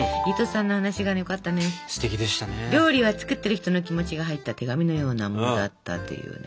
料理は作ってる人の気持ちが入った手紙のようなものだったっていうね。